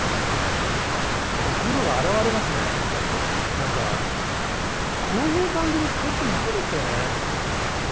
何かこういう番組最近ないですよね。